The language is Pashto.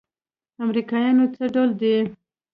امريکايان څه ډول دي؟